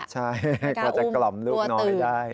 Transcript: ใช่กว่าจะกล่อมลูกน้อยได้